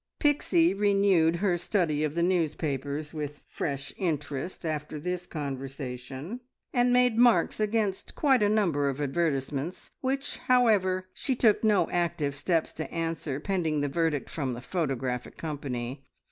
Pixie renewed her study of the newspapers with fresh interest after this conversation, and made marks against quite a number of advertisements, which, however, she took no active steps to answer, pending the verdict from the photographic company.